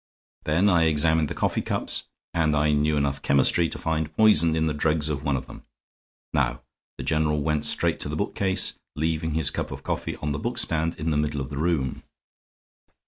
Then I examined the coffee cups, and I knew enough chemistry to find poison in the dregs of one of them. Now, the General went straight to the bookcase, leaving his cup of coffee on the bookstand in the middle of the room.